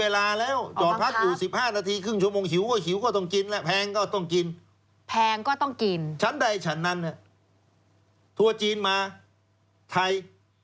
ร้านนั้นทั่วจีนมาไทย